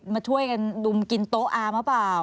มาช่วยกันดุมกินโต๊ะอาหรือเปล่า